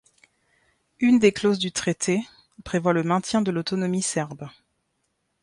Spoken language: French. Une des clauses du traité prévoit le maintien de l'autonomie serbe.